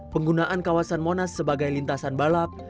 penggunaan kawasan monas sebagai lintasan balap